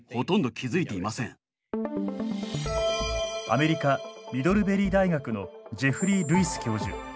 アメリカミドルベリー大学のジェフリー・ルイス教授。